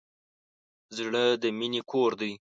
زړه د مینې کور دی.